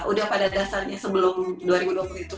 udah pada dasarnya sebelum dua ribu dua puluh itu